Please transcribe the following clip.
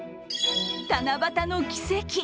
七夕の奇跡！